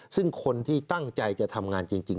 ซึ่งคนที่ตั้งใจจะทำงานจริง